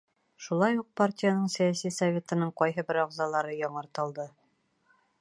Шулай уҡ партияның сәйәси советының ҡайһы бер ағзалары яңыртылды.